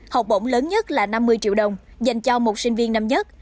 học bổng lớn nhất là năm mươi triệu đồng dành cho một sinh viên năm nhất